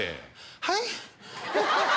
はい？